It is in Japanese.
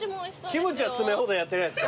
キムチは詰め放題やってないですか？